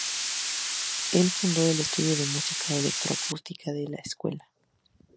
El fundó el Estudio de Música Electroacústica de esa escuela.